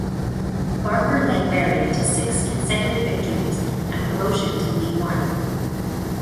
Barker led Bury to six consecutive victories and promotion to League One.